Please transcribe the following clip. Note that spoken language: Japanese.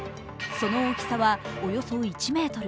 その大きさは、およそ１ｍ。